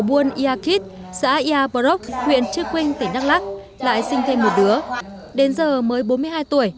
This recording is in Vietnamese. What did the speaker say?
buôn ia khít xã ia bà rốc huyện trước quynh tỉnh đắk lắk lại sinh thêm một đứa đến giờ mới bốn mươi hai tuổi